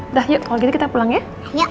udah yuk kalau gitu kita pulang ya